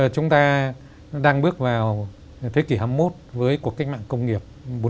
chúng ta đang bước vào thế kỷ hai mươi một với cuộc cách mạng công nghiệp bốn